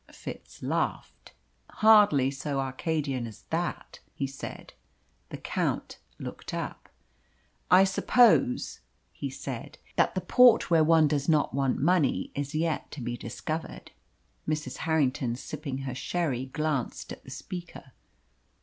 Fitz laughed. "Hardly so Arcadian as that," he said. The Count looked up. "I suppose," he said, "that the port where one does not want money is yet to be discovered?" Mrs. Harrington, sipping her sherry, glanced at the speaker.